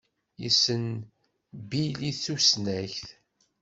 Yessen Bil i tusnakt.